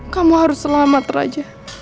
kamu harus selamat raja